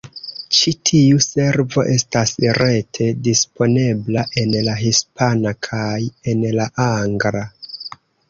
Ĉi tiu servo estas rete disponebla en la hispana kaj en la angla.